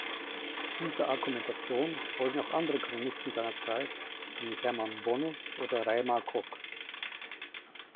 Dieser Argumentation folgen auch andere Chronisten seiner Zeit, wie Hermann Bonnus oder Reimar Kock.